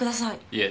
いえ。